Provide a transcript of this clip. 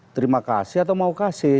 terima kasih atau mau kasih